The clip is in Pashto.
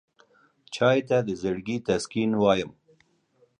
چای ته د زړګي تسکین وایم.